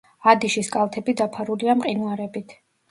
ადიშის კალთები დაფარულია მყინვარებით.